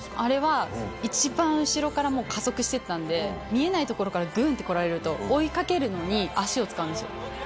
あれはもう一番後ろから加速していったんで、見えないところからぐんって来られると、追いかけるのに足を使うんですよ。